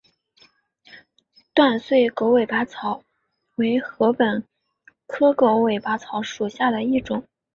断穗狗尾草为禾本科狗尾草属下的一个种。